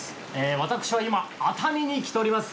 私は今熱海に来ております。